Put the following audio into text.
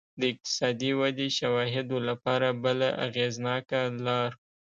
د اقتصادي ودې شواهدو لپاره بله اغېزناکه لار